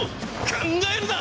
考えるな！